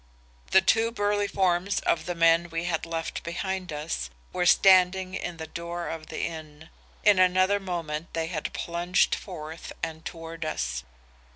The two burly forms of the men we had left behind us were standing in the door of the inn; in another moment they had plunged forth and towards us.